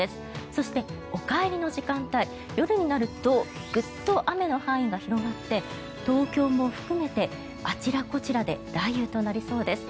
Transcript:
そして、お帰りの時間帯夜になるとグッと雨の範囲が広がって東京も含めてあちらこちらで雷雨となりそうです。